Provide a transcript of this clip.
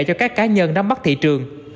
cho các cá nhân nắm mắt thị trường